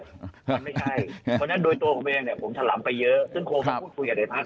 ไม่ใช่คนนั้นโดยตัวผมเองผมถลำไปเยอะซึ่งโครงค้าพูดคุยกับไอ้ภาค